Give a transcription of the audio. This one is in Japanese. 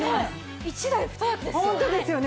１台２役ですよ？